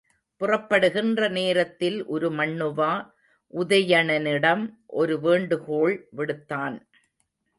புறப்படுகின்ற நேரத்தில் உருமண்ணுவா, உதயணனிடம் ஒரு வேண்டுகோள் விடுத்தான்.